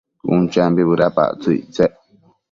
Cun champi bëdapactsëc ictsec